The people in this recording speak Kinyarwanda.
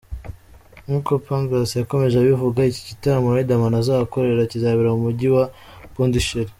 Nkuko Pangras yakomeje abivuga, iki gitaramo Riderman azahakorera kizabera mu mujyi wa Pondicherry.